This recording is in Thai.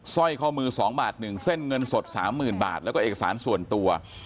ร้อยข้อมือ๒บาท๑เส้นเงินสด๓๐๐๐บาทแล้วก็เอกสารส่วนตัว